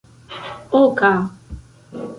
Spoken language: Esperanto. oka